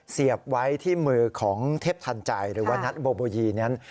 เสียบไว้ที่มือของเทพทันใจหรือว่านัทโบยีนั้น